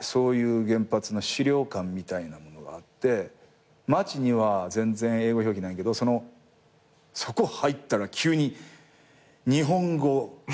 そういう原発の資料館みたいなものがあって街には全然英語表記ないんやけどそこ入ったら急に日本語が。